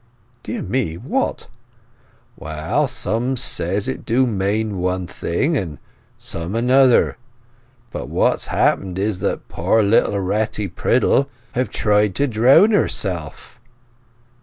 "Dear me;—what—" "Well, some says it do mane one thing, and some another; but what's happened is that poor little Retty Priddle hev tried to drown herself."